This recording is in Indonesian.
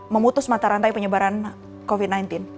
memutus mata rantai penyebaran covid sembilan belas